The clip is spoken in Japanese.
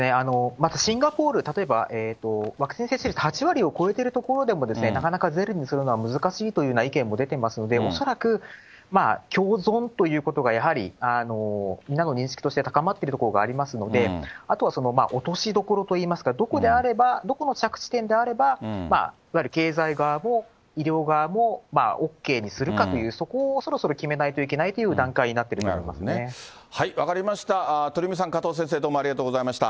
またシンガポール、例えばワクチン接種率８割を超えてる所でも、なかなかゼロにするのは難しいというような意見も出てますので、恐らく共存ということが、やはりみんなの認識として高まっている所がありますので、あとは落としどころといいますか、どこであれば、どこの着地点であれば、いわゆる経済側も医療側もＯＫにするかという、そこをそろそろ決めないといけないという段階になってると思いま分かりました、鳥海さん、加藤先生、どうもありがとうございました。